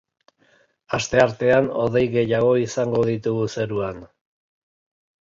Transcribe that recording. Asteartean hodei gehiago izango ditugu zeruan.